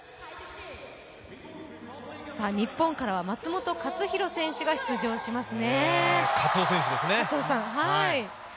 日本からは松元克央選手が出場しますね。